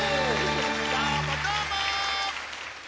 どーもどーも！